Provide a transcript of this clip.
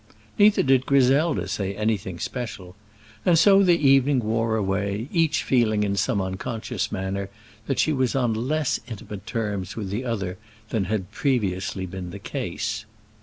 Neither did Griselda say anything special; and so the evening wore away, each feeling in some unconscious manner that she was on less intimate terms with the other than had previously been the case.